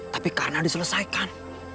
tapi karena diselesaikan